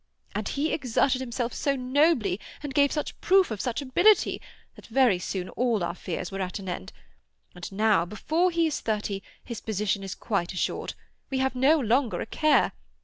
And he exerted himself so nobly, and gave proof of such ability, that very soon all our fears were at an end; and now, before he is thirty, his position is quite assured. We have no longer a care.